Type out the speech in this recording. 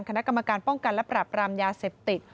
คณะกรรมการป้องกันและปรับรามยาเสพติด